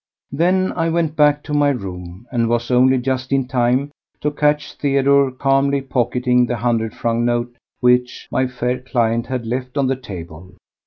Then I went back to my room, and was only just in time to catch Theodore calmly pocketing the hundred franc note which my fair client had left on the table.